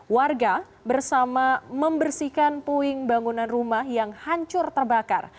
warga bersama membersihkan puing bangunan rumah yang hancur terbakar